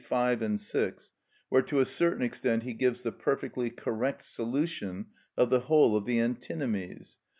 5 and 6, where to a certain extent he gives the perfectly correct solution of the whole of the antinomies.